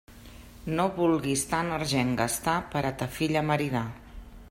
No vulguis tant argent gastar, per a ta filla maridar.